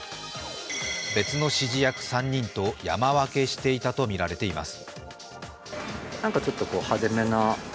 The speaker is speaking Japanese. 別の指示役３人と山分けしていたとみられています。